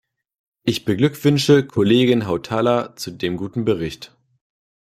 Ich beglückwünsche Kollegin Hautala zu dem guten Bericht.